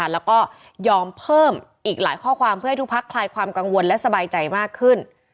แล้วก็ยอมเพิ่มอีกหลายข้อความเพื่อให้ทุกพักคลายความกังวลและสบายใจมากขึ้น